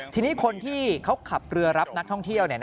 ทีนี้คนที่เขาขับเรือรับนักท่องเที่ยว